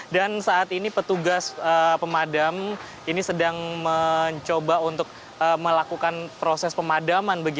dan saat ini petugas pemadam ini sedang mencoba untuk melakukan proses pemadaman